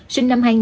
sinh năm hai nghìn